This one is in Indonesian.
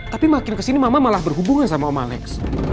tapi makin kesini mama malah berhubungan sama om malex